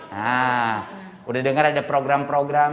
nah udah denger ada program program